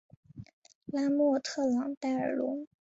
拉莫特朗代尔龙。